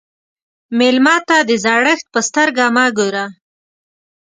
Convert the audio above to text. مېلمه ته د زړښت په سترګه مه ګوره.